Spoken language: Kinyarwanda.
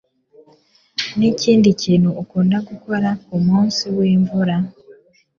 Niki kintu ukunda gukora kumunsi wimvura?